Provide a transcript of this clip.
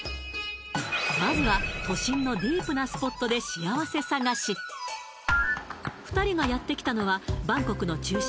まずは都心のディープなスポットで幸せ探し２人がやって来たのはバンコクの中心